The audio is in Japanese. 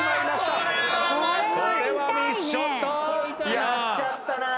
やっちゃったなぁ。